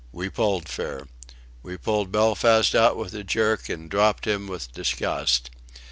We pulled fair. We pulled Belfast out with a jerk, and dropped him with disgust.